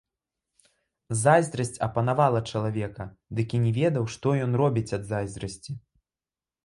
Зайздрасць апанавала чалавека, дык і не ведаў, што ён робіць ад зайздрасці.